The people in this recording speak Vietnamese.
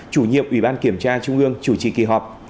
chủ nhiệm ủy ban kiểm tra trung ương chủ trì kỳ họp